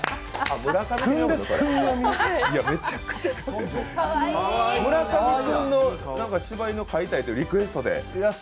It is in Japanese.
村上君の何かしば犬飼いたいというリクエストで。